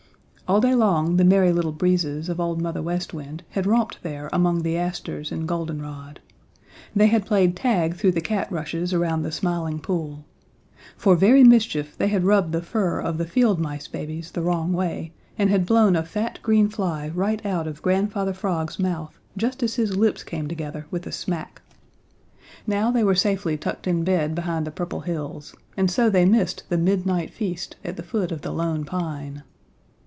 All day long the Merry Little Breezes of Old Mother West Wind had romped there among the asters and goldenrod. They had played tag through the cat rushes around the Smiling Pool. For very mischief they had rubbed the fur of the Field Mice babies the wrong way and had blown a fat green fly right out of Grandfather Frog's mouth just as his lips came together with a smack. Now they were safely tucked in bed behind the Purple Hills, and so they missed the midnight feast at the foot of the Lone Pine.